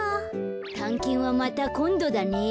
たんけんはまたこんどだね。